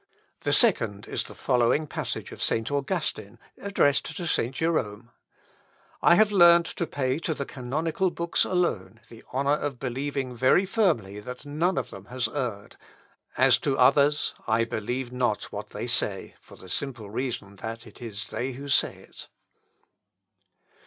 '" The second is the following passage of St. Augustine, addressed to St. Jerome: "I have learned to pay to the canonical books alone the honour of believing very firmly that none of them has erred; as to others, I believe not what they say, for the simple reason, that it is they who say it."